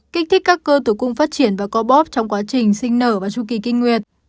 kích thích các cơ tử cung phát triển và co bóp trong quá trình sinh nở và tru kỳ kinh nguyệt